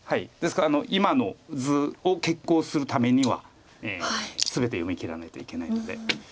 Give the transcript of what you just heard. ですから今の図を決行するためには全て読みきらないといけないので。